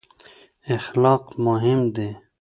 اخلاق مهم دي.